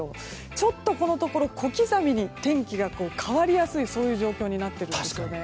ちょっと、このところ小刻みに天気が変わりやすい状況になっているんですよね。